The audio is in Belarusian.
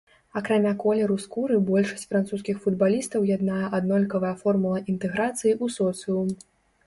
Акрамя колеру скуры большасць французскіх футбалістаў яднае аднолькавая формула інтэграцыі ў соцыум.